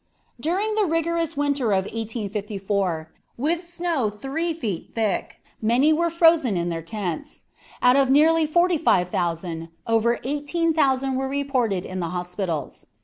During the rigorous winter of 1854, with snow three feet thick, many were frozen in their tents. Out of nearly forty five thousand, over eighteen thousand were reported in the hospitals.